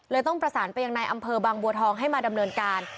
ต้องประสานไปยังในอำเภอบางบัวทองให้มาดำเนินการ